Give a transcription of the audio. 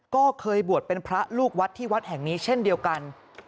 ก็เคยบวชเป็นพระลูกวัดที่วัดแห่งนี้เช่นเดียวกัน